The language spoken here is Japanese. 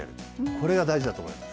これが大事だと思います。